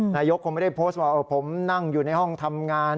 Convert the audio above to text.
นายกคงไม่ได้โพสต์ว่าผมนั่งอยู่ในห้องทำงาน